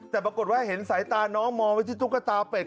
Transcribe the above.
แต่ปรากฏว่าเห็นสายตาน้องมองไว้ที่ตุ๊กตาเป็ด